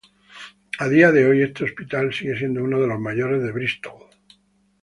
A día de hoy, este hospital sigue siendo uno de los mayores de Bristol.